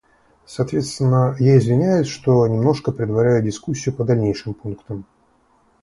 Соответственно, я извиняюсь, что немножко предваряю дискуссию по дальнейшим пунктам.